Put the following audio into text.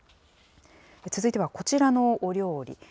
続いてはこちらのお料理。